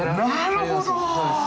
なるほど。